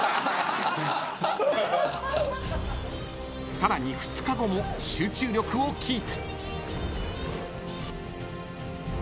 ［さらに２日後も集中力をキープ］